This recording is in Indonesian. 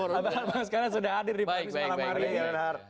abang sekarang sudah hadir di pemirsa alamari